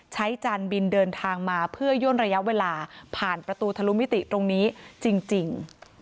จานบินเดินทางมาเพื่อย่นระยะเวลาผ่านประตูทะลุมิติตรงนี้จริง